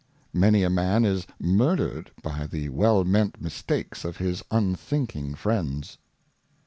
Many a Man is murthered by the well meant Mistakes of his unthinking Friends.